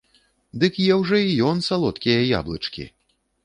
Ды еў жа і ён салодкія яблычкі!